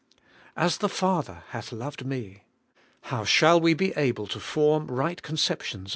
'As the Father hath loved me.' How shall we be able to form right conceptions of this love?